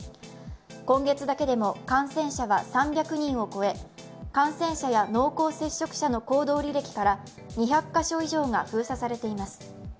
今月だけでも感染者は３００人を超え感染者や濃厚接触者の行動履歴から２００カ所以上が封鎖されています。